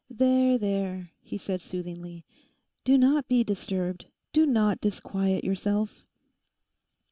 'There, there,' he said soothingly, 'do not be disturbed; do not disquiet yourself.